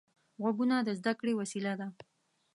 غوږونه د زده کړې وسیله ده